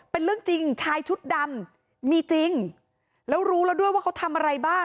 เป็นเรื่องจริงชายชุดดำมีจริงแล้วรู้แล้วด้วยว่าเขาทำอะไรบ้าง